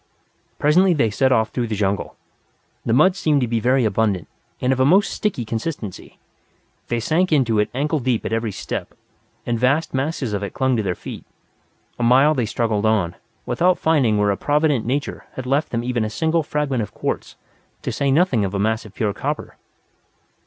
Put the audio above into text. Presently they set off through the jungle. The mud seemed to be very abundant, and of a most sticky consistence. They sank into it ankle deep at every step, and vast masses of it clung to their feet. A mile they struggled on, without finding where a provident nature had left them even a single fragment of quartz, to say nothing of a mass of pure copper.